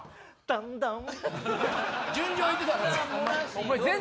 だんだん。